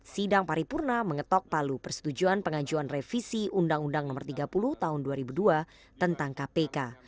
sidang paripurna mengetok palu persetujuan pengajuan revisi undang undang no tiga puluh tahun dua ribu dua tentang kpk